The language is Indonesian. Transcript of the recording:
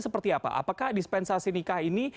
seperti apa apakah dispensasi nikah ini